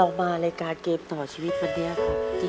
ลองมารายการเกมต่อชีวิตบันนี้ค่ะ